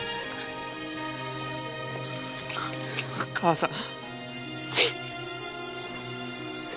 母さん。